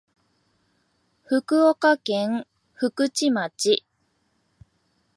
福岡県福智町